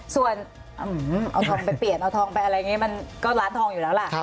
ส่วนเอาทองไปเปลี่ยนเอาทองไปอะไรอย่างนี้มันก็ร้านทองอยู่แล้วล่ะ